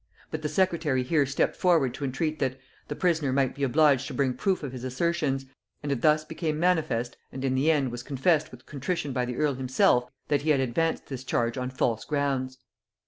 But the secretary here stepped forward to entreat that, the prisoner might be obliged to bring proof of his assertions; and it thus became manifest, and in the end was confessed with contrition by the earl himself, that he had advanced this charge on false grounds.